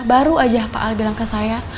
baru aja pak ali bilang ke saya